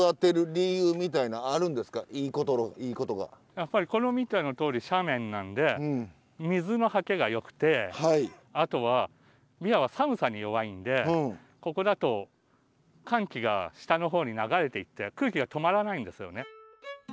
やっぱりこの見てのとおり斜面なんで水のはけが良くてあとはびわは寒さに弱いんでここだと寒気が下の方に流れていって空気が止まらないんですよね。